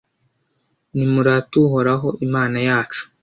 Nimurate Uhoraho Imana yacu